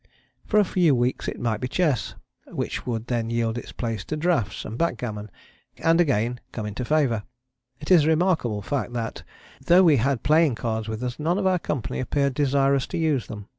For a few weeks it might be chess, which would then yield its place to draughts and backgammon, and again come into favour. It is a remarkable fact that, though we had playing cards with us none of our company appeared desirous to use them.